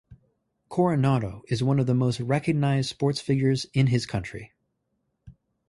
Coronado is one of the most recognized sports figures in his country.